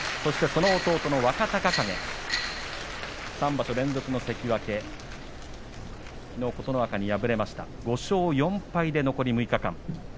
その弟の若隆景３場所連続の関脇きのう琴ノ若に敗れました５勝４敗で残り８日間。